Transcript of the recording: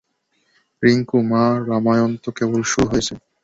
রিংকু, মা, রামায়ণ তো কেবল শুরু হয়েছে।